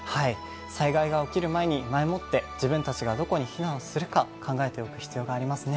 災害が起きる前に、前もって、自分たちがどこに避難するか、考えておく必要がありますね。